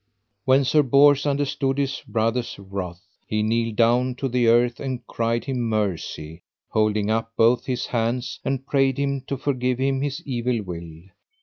When Sir Bors understood his brother's wrath he kneeled down to the earth and cried him mercy, holding up both his hands, and prayed him to forgive him his evil will.